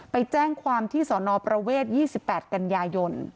ไปแจ้งความที่สนประเวท๒๘กันยายน